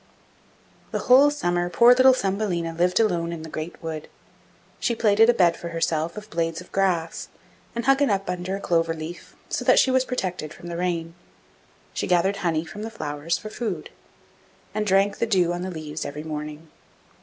The whole summer poor little Thumbelina lived alone in the great wood. She plaited a bed for herself of blades of grass, and hung it up under a clover leaf, so that she was protected from the rain; she gathered honey from the flowers for food, and drank the dew on the leaves every morning.